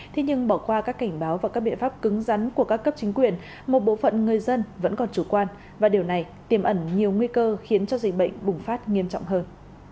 thế nhưng bỏ qua các cảnh báo và các biện pháp cứng rắn của các cấp chính quyền một bộ phận người dân vẫn còn chủ quan và điều này tiềm ẩn nhiều nguy cơ khiến cho dịch bệnh bùng phát nghiêm trọng hơn